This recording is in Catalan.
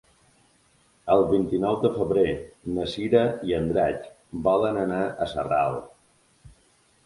El vint-i-nou de febrer na Cira i en Drac volen anar a Sarral.